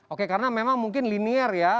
oke karena memang mungkin linear ya